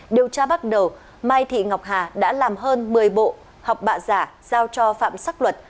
điều tra bắt đầu mai thị ngọc hà đã làm hơn một mươi bộ học bạ giả giao cho phạm sắc luật